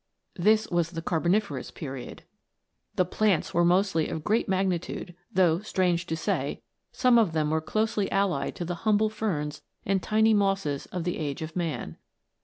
* The plants were mostly of great mag nitude, though, strange to say, some of them were closely allied to the humble ferns and tiny mosses of the age of man.